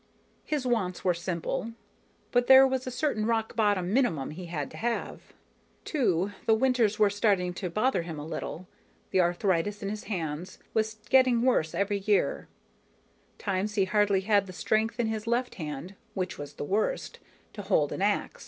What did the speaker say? His wants were simple, but there was a certain rock bottom minimum he had to have. Too, the winters were starting to bother him a little, the arthritis in his hands was getting worse every year, times he hardly had the strength in his left hand, which was the worst, to hold an ax.